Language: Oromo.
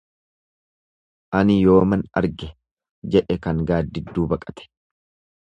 Ani yooman arge, jedhe kan gaaddidduu baqate.